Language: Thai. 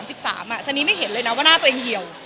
อันนี้ไม่เห็นเลยนะว่าหน้าตัวเองเหี่ยว